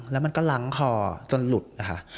แล้วมันก็รั้งคอจนหลุดค่ะ